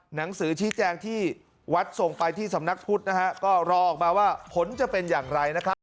หนังสือชี้แจงที่วัดส่งไปที่สำนักพุทธนะฮะก็รอออกมาว่าผลจะเป็นอย่างไรนะครับ